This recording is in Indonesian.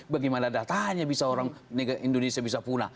bagaimana datanya bisa orang indonesia bisa pulang